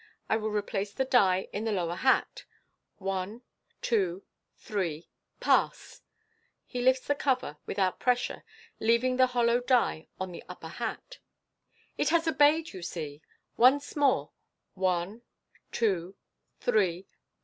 I will replace the die in the lower hat. One, two, three ! Pass !" He lifts the cover, without pressure, leaving the hollow die on the upper hat. " It has obeyed, you see. Once more. One, two, three